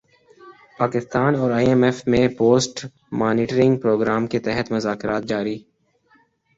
پاکستان اور I M F میں post monitoring program کے تحت مذاکرات جاری